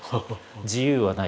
自由はない。